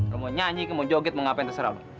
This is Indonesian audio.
lo mau nyanyi lo mau joget mau ngapain terserah lo